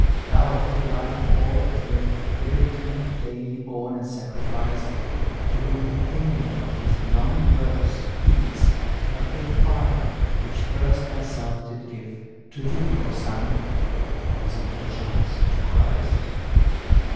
Thou, for the life of all that live The victim daily born and sacrificed; To whom the pinion of this longing verse Beats but with fire which first thyself did give, To thee, O Sun or is 't perchance, to Christ?